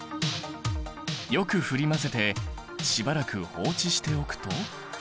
よく振り混ぜてしばらく放置しておくと。